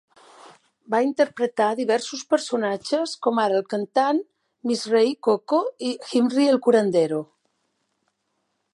Va interpretar diversos personatges, com ara el cantant Mizrahi Coco i Himri el curandero.